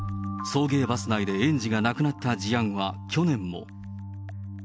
送迎バス内で園児が亡くなった事案は去年も。